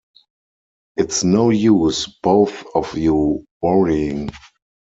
It's no use both of you worrying.